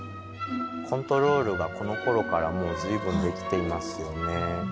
コントロールがこのころからもう随分できていますよね。